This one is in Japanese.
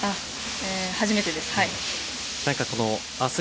初めてです。